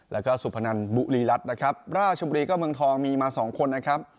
แล้วก็สุพนันบุรีรัฐนะครับราชบุรีก็เมืองทองมีมาสองคนนะครับ